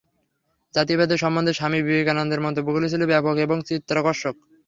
জাতিভেদ সম্বন্ধে স্বামী বিবেকানন্দের মন্তব্যগুলি ছিল খুব ব্যাপক এবং চিত্তাকর্ষক।